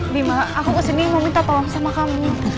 bima aku kesini mau minta tolong sama kamu